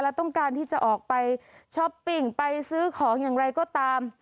และต้องการที่จะออกไปช้อปปิ้งไปซื้อของอย่างไรก็ตาม